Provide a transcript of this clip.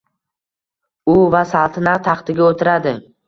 U va saltanat taxtiga o’tiradi.